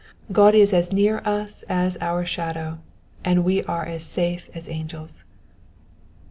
God is as near us as our shadow, and we are as safe as angels.